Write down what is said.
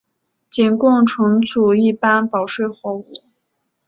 仅供存储一般保税货物。